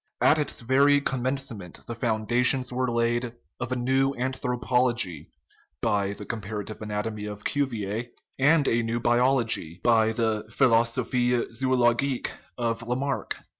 At its very commencement the foundations were laid of a new anthropology (by the comparative anatomy of Cuvier) and of a new biology (by the Philosophic Zoologique of Lamarck).